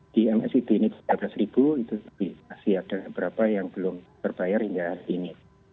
di msib ini tiga belas itu masih ada berapa yang belum terbayar hingga hari ini